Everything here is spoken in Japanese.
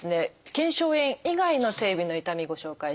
腱鞘炎以外の手指の痛みご紹介します。